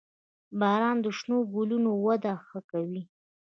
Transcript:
• باران د شنو ګلونو وده ښه کوي.